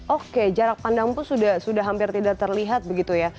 oke jarak pandang pun sudah hampir tidak terlihat begitu ya